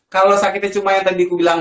kalau sakitnya cuma yang tadi aku bilang